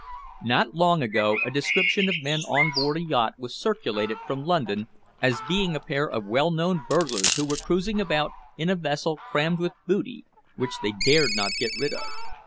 Not long ago a description of men on board a yacht was circulated from London as being a pair of well known burglars who were cruising about in a vessel crammed with booty which they dared not get rid of.